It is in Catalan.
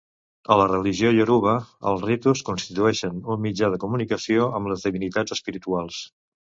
A la religió ioruba, els ritus constitueixen un mitjà de comunicació amb les divinitats espirituals.